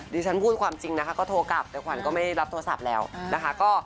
ฉันพูดความจริงนะคะก็โทรกลับแต่ขวัญก็ไม่รับโทรศัพท์แล้วนะคะ